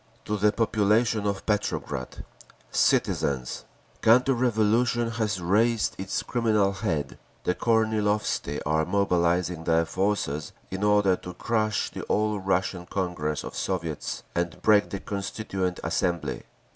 To the Population of Petrograd. Citizens! Counter revolution has raised its criminal head. The Kornilovtsi are mobilising their forces in order to crush the All Russian Congress of Soviets and break the Constituent Assembly.